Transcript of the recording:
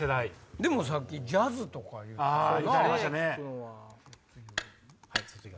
でもさっきジャズとか言うたよ。